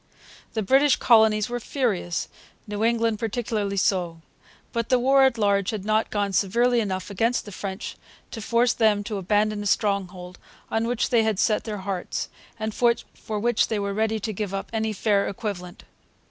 The British colonies were furious, New England particularly so. But the war at large had not gone severely enough against the French to force them to abandon a stronghold on which they had set their hearts, and for which they were ready to give up any fair equivalent.